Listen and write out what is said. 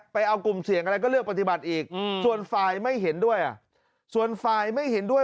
ไปเอากลุ่มเสี่ยงอะไรก็เลือกปฏิบัติอีกส่วนฝ่ายไม่เห็นด้วยส่วนฝ่ายไม่เห็นด้วย